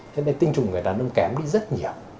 thế nên tinh trùng của người đàn ông kém đi rất nhiều